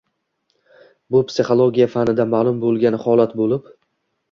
Bu psixologiya fanida ma’lum bo‘lgan holat bo‘lib